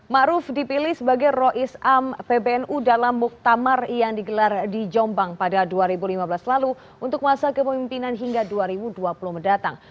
⁇ maruf dipilih sebagai rois am pbnu dalam muktamar yang digelar di jombang pada dua ribu lima belas lalu untuk masa kepemimpinan hingga dua ribu dua puluh mendatang